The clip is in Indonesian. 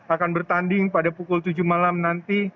akan bertanding pada pukul tujuh malam nanti